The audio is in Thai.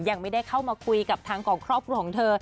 ยังไม่ได้เข้ามาคุยกับทางของครอบครัวของเธอ